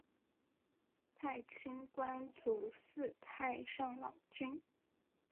太清观主祀太上老君。